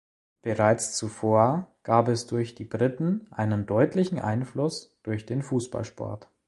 Bereits zuvor gab es durch die Briten einen deutlichen Einfluss durch den Fußballsport.